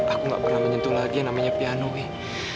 aku gak pernah menyentuh lagi yang namanya piano ya